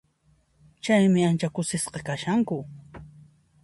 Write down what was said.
Chaymi ancha kusisqa kashanku.